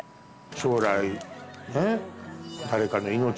将来。